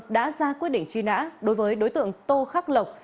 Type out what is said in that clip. đã ra quyết định truy nã đối với đối tượng tô khắc lộc